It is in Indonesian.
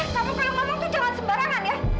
kamu kalau ngomong tuh jangan sembarangan ya